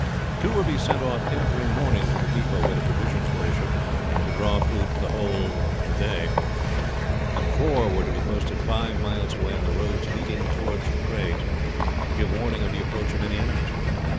Two were to be sent off every morning to the depot where the provisions were issued, to draw food for the whole for the day, and four were to be posted five miles away on the roads leading towards the craigs to give warning of the approach of any enemies.